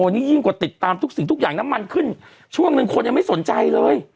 นี่ยิ่งกว่าติดตามทุกสิ่งทุกอย่างน้ำมันขึ้นช่วงหนึ่งคนยังไม่สนใจเลย